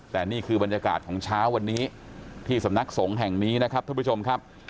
แต่นี่คือบรรยากาศของเช้าวันนี้ที่สำนักสงฆ์แห่งนี้นะครับท่านผู้ชมครับ